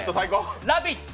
「ラヴィット！」